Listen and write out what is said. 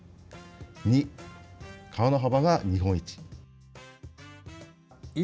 ２、川の幅が日本一。